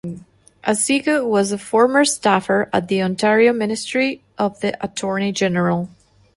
Aziga was a former staffer at the Ontario Ministry of the Attorney General.